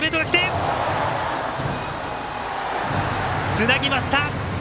つなぎました！